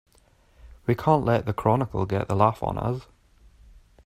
We can't let the Chronicle get the laugh on us!